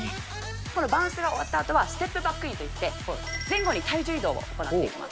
これバウンスが終わったあとはステップバックインといって、前後に体重移動を行っていきます。